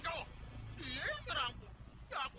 kamu terlalu luka yang itu